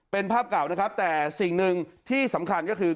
เป็นภาพเก่านะครับแต่สิ่งหนึ่งที่สำคัญก็คือ